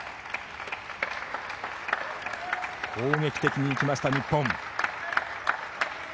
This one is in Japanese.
攻撃的にいきました、日本。